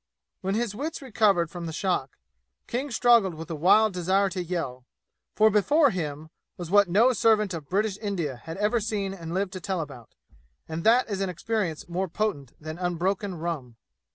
When his wits recovered from the shock, King struggled with a wild desire to yell, for before him, was what no servant of British India had ever seen and lived to tell about, and that is an experience more potent than unbroken rum.